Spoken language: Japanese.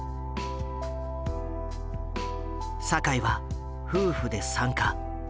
酒井は夫婦で参加。